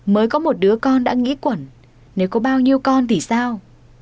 mới có một đứa con đã nghĩ quẩn nếu có bao nhiêu con thì sao